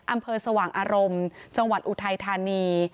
อำเภอสว่างอารมณ์จังหวัดอุทัยธานี